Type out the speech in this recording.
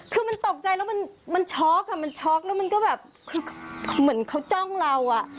คือมันตกใจแล้วมันช็อกอ่ะมันช็อกแล้วมันก็แบบคือเหมือนเขาจ้องเราอ่ะ